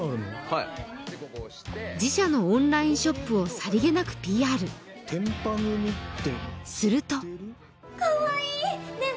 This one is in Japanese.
はい自社のオンラインショップをさりげなくＰＲてんぱ組ってするとかわいいねえ